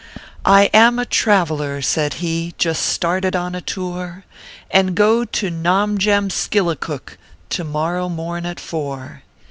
"I am a traveler," said he, " Just started on a tour, And go to Nomjamskillicook To morrow morn at four."